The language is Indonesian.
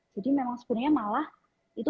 jadi memang sebenarnya malah itu